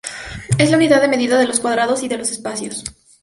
Es la unidad de medida de los cuadrados y de los espacios.